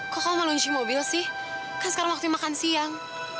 kok kamu lunci mobil sih kan sekarang waktu makan siang